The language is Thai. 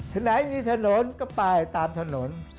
ถนนไหนมีถนนก็ไปตามถนน